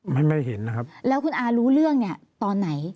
ไม่ไม่เห็นนะครับแล้วคุณอารู้เรื่องเนี่ยตอนไหน